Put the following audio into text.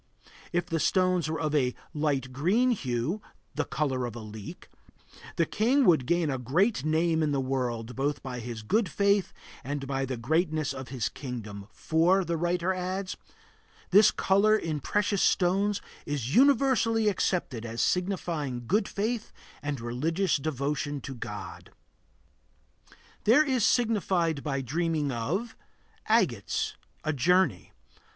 If the stones were of a light green hue (the color of the leek), the king would gain a great name in the world, both by his good faith and by the greatness of his kingdom; for, the writer adds, "this color in precious stones is universally accepted as signifying good faith and religious devotion to God." There is signified by dreaming of Agates A journey.